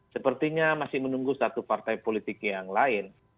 sepertinya masih menunggu satu partai politik yang lain